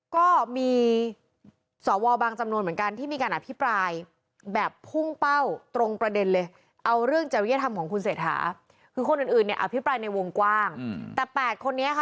ก็มีสอวบางจำนวนเหมือนกันที่มีการอภิปรายแบบพุ่งเป้าตรงประเด็นเลย